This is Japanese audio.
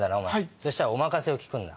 そしたらお任せを聞くんだ。